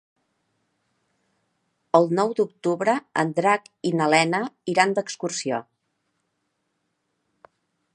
El nou d'octubre en Drac i na Lena iran d'excursió.